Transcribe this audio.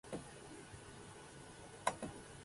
につれて主人公たちが肉体的にも